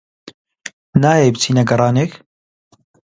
نایەی بچینە گەڕانێک؟